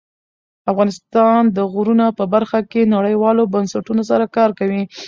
افغانستان د غرونه په برخه کې نړیوالو بنسټونو سره کار کوي.